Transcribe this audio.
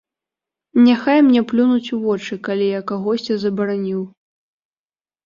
Няхай мне плюнуць у вочы, калі я кагосьці забараніў.